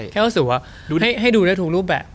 แค่รู้สึกว่าให้ดูได้ทุกรูปแบบ